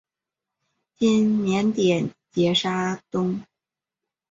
今缅甸杰沙东。